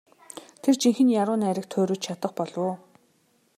Тэр жинхэнэ яруу найраг туурвиж чадах болов уу?